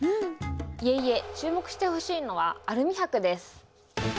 いえいえ注目してほしいのはアルミ箔です。